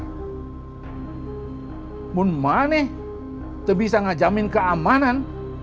tapi mana bisa mengajamin keamanan